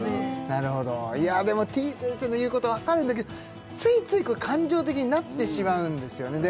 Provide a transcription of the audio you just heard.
なるほどいやでもてぃ先生の言うことわかるんだけどついつい感情的になってしまうんですよね